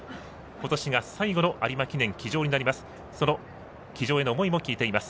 今年が最後の有馬記念騎乗になります。